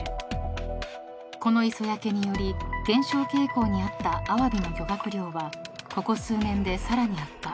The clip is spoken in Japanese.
［この磯焼けにより減少傾向にあったアワビの漁獲量はここ数年でさらに悪化］